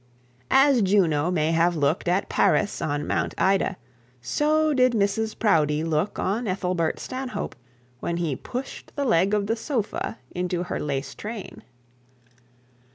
As Juno may have looked at Paris on Mount Ida, so did Mrs Proudie look on Ethelbert Stanhope when he pushed the leg of the sofa into her train.